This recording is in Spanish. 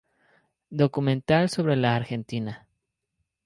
Documental sobre la Argentina.